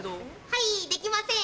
はいできません。